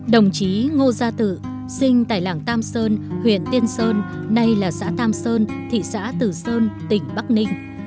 đồng chí ngô gia tự sinh tại làng tam sơn huyện tiên sơn nay là xã tam sơn thị xã tử sơn tỉnh bắc ninh